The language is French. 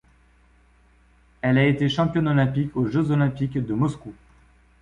Elle a été championne olympique aux Jeux olympiques de Moscou.